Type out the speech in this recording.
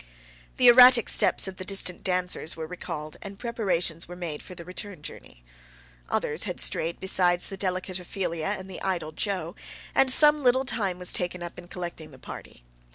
The erratic steps of the distant dancers were recalled and preparations were made for the return journey. Others had strayed besides the delicate Ophelia and the idle Joe, and some little time was taken up in collecting the party.